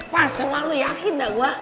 pas sama lu yakin gak gue